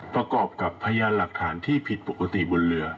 ประกอบกับพยานหลักฐานที่ผิดปกติบนเรือ